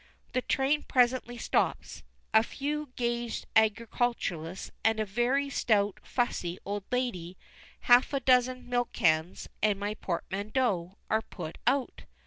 The train presently stops; a few dazed agriculturists, and a very stout fussy old lady, half a dozen milk cans, and my portmanteau are put out.